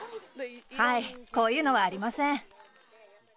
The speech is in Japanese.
はい、こういうのはありません。